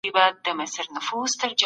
مثبت فکر هدف نه ځنډوي.